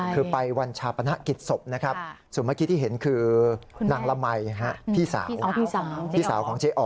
คือไปวันชาปณะกิจศพส่วนเมื่อกี้ที่เห็นคือนางละมัยพี่สาวของเจ๋อ๋อ